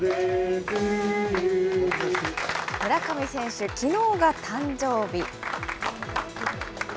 村上選手、きのうが誕生日。